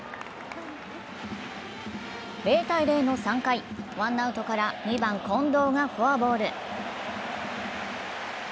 ０−０の３回、ワンアウトから２番・近藤がフォアボール。